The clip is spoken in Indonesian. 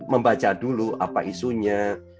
membaca dulu apa isunya